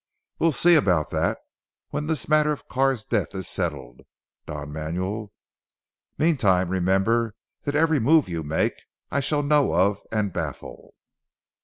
"We'll see about that, when this matter of Carr's death is settled, Don Manuel. Meantime, remember that every move you make, I shall know of and baffle."